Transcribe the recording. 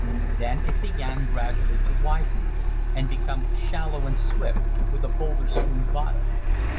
Then it began gradually to widen and become shallow and swift, with a boulder strewn bottom.